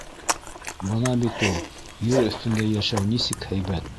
Бына бит ул ер өҫтөндә йәшәү нисек һәйбәт.